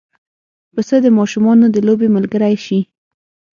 پسه د ماشومانو د لوبې ملګری شي.